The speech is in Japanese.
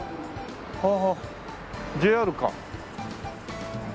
ああＪＲか。